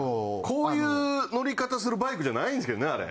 こういう乗り方するバイクじゃないんですけどねあれ。